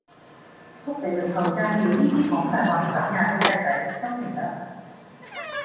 仆你個臭街，你依啲講大話唔眨眼嘅仆街仔，收皮啦